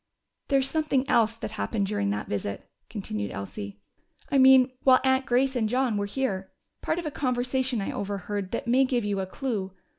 "There's something else that happened during that visit," continued Elsie. "I mean, while Aunt Grace and John were here. Part of a conversation I overhead that may give you a clue.